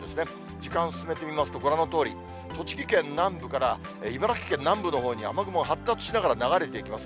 時間進めてみますと、ご覧のとおり、栃木県南部から茨城県南部のほうに雨雲が発達しながら流れていきます。